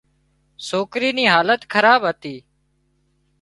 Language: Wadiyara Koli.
سوڪري نِي حالت خراب هتي